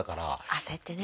焦ってね。